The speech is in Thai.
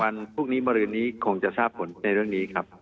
พรุ่งนี้มรืนนี้คงจะทราบผลในเรื่องนี้ครับ